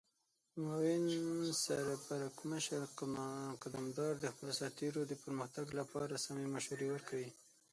معاون سرپرکمشر قدمدار د خپلو سرتیرو د پرمختګ لپاره سمې مشورې ورکوي.